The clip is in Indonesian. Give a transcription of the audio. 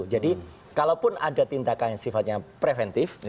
jadi kalaupun ada tindakan sifatnya preventif